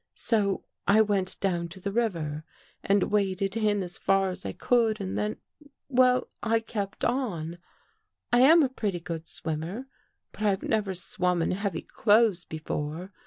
So I went down to the river and waded in as far as I could and then — well, I kept on. I am a pretty good swimmer, but I have never swum in heavy clothes before.